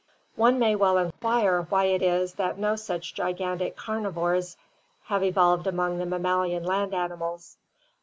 "One may well inquire why it is that no such gigantic carnivora have evolved among the mammalian land animals.